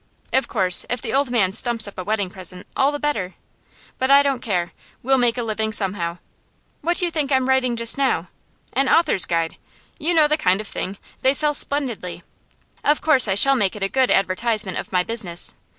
Of course, if the old man stumps up a wedding present, all the better. But I don't care; we'll make a living somehow. What do you think I'm writing just now? An author's Guide. You know the kind of thing; they sell splendidly. Of course I shall make it a good advertisement of my business.